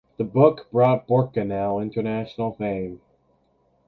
The book brought Borkenau international fame.